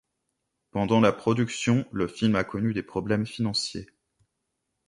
Pendant la production, le film a connu des problèmes financiers.